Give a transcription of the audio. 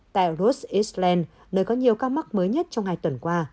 tại los angeles nơi có nhiều ca mắc mới nhất trong hai tuần qua